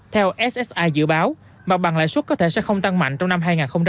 theo ssai dự báo mặt bằng lãi suất có thể sẽ không tăng mạnh trong năm hai nghìn hai mươi